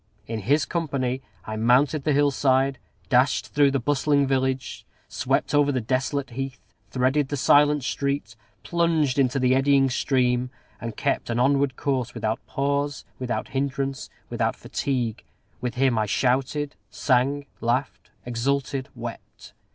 In his company, I mounted the hill side, dashed through the bustling village, swept over the desolate heath, threaded the silent street, plunged into the eddying stream, and kept an onward course, without pause, without hindrance, without fatigue. With him I shouted, sang, laughed, exulted, wept.